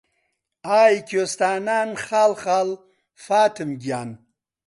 ئای کوێستانان خاڵ خاڵ فاتم گیان